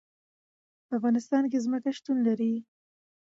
په افغانستان کې ځمکه شتون لري.